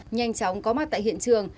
nhanh chóng có mặt tại hiện trường